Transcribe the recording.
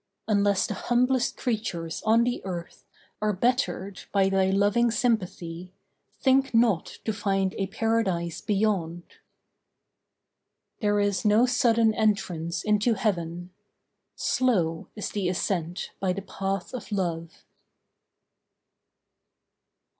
Unless the humblest creatures on the earth Are bettered by thy loving sympathy Think not to find a Paradise beyond. There is no sudden entrance into Heaven. Slow is the ascent by the path of Love.